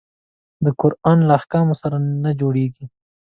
د قرآن له احکامو سره نه جوړیږي.